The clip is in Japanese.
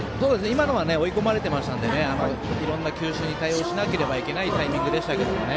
今のは追い込まれていましたのでいろんな球種に対応しなければいけないタイミングでしたけどね。